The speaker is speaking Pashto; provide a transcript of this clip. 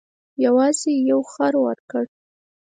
یوازې یو خر ورکړ.